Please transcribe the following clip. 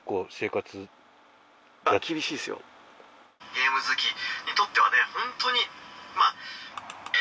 ゲーム好きにとってはねホントにまあ。